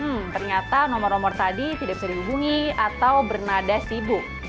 hmm ternyata nomor nomor tadi tidak bisa dihubungi atau bernada sibuk